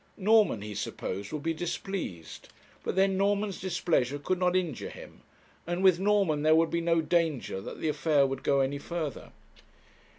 Norman, he supposed, would be displeased; but then Norman's displeasure could not injure him, and with Norman there would be no danger that the affair would go any further.